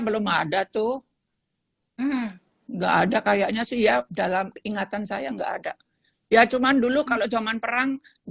belum ada tuh enggak ada kayaknya sih ya dalam ingatan saya enggak ada ya cuman dulu kalau zaman perang di